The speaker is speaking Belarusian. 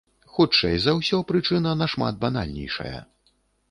Хутчэй за ўсё, прычына нашмат банальнейшая.